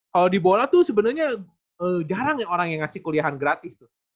kalau di bola tuh sebenarnya jarang orang yang ngasih kuliahan gratis tuh